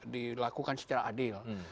dilakukan secara adil